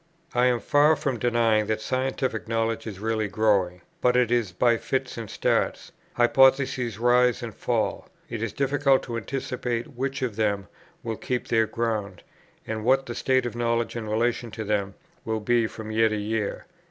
I am far from denying that scientific knowledge is really growing, but it is by fits and starts; hypotheses rise and fall; it is difficult to anticipate which of them will keep their ground, and what the state of knowledge in relation to them will be from year to year.